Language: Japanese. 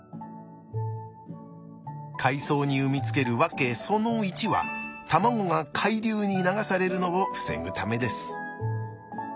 海藻に産み付ける訳その１は卵が海流に流されるのを防ぐためです。